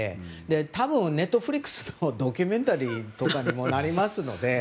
多分、Ｎｅｔｆｌｉｘのドキュメンタリーとかにもなりますので。